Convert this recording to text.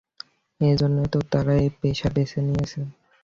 এজন্যই তো তারা এই পেশা বেছে নিয়েছে।